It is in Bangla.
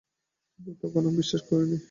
কিন্তু আমি তখন বিশ্বাস করিনি।